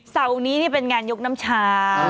เสาร์นี้นี่เป็นงานยกน้ำชา